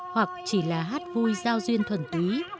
hoặc chỉ là hát vui giao duyên thuần túy